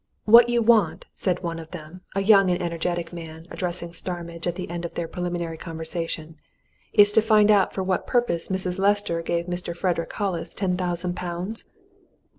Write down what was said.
"What you want," said one of them, a young and energetic man, addressing Starmidge at the end of their preliminary conversation, "is to find out for what purpose Mrs. Lester gave Mr. Frederick Hollis ten thousand pounds?"